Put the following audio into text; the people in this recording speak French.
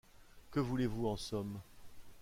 Que voulez-vous en somme ?